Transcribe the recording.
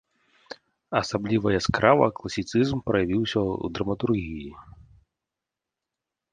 Асабліва яскрава класіцызм праявіўся ў драматургіі.